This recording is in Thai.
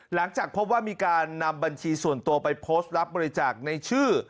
หลังจากพบว่ามีการนำบัญชีส่วนตัวไปโพสต์รับบริจาคในชื่อ